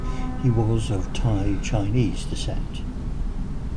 He was of Thai Chinese descent.